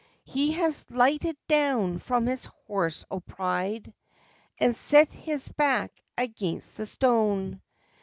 He has lighted down from his horse o' pride, And set his back against the stone.